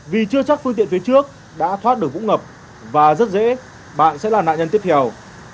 vì chưa chắc phương tiện phía trước đã thoát được vũng ngập và rất dễ bạn sẽ là nạn nhân tiếp theo